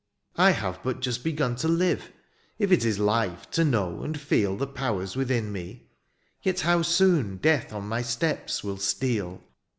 " I have but just begun to live, ^^ If it is life to know, and feel, "The powers within me ; yet how soon " Death on my steps will steal.